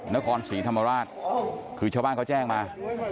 นครศรีธรรมราชคือชาวบ้านเขาแจ้งมา